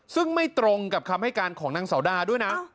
ซึ่งไม่ตรงกับคำให้การของนางสาวดาด้วยนะ